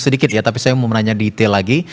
sedikit ya tapi saya mau menanya detail lagi